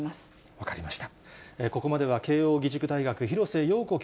分かりました。